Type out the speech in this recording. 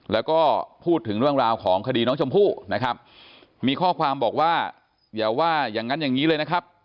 แล้วก็พูดถึงเรื่องราวของคดีน้องชมพู่นะครับมีข้อความบอกว่าอย่าว่าอย่างนั้นอย่างนี้เลยนะครับ